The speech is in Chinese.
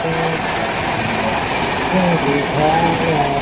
蒙哥马利是美国俄亥俄州汉密尔顿县的一座城市。